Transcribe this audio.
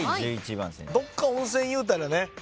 どっか温泉いうたらね。